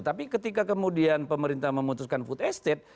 tapi ketika kemudian pemerintah memutuskan food estate